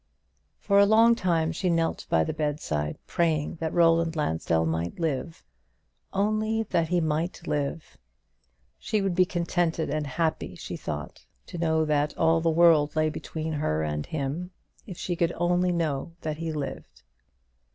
For a long time she knelt by the bedside praying that Roland Lansdell might live only that he might live. She would be contented and happy, she thought, to know that all the world lay between her and him, if she could only know that he lived.